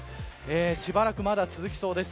しばらくまだ続きそうです。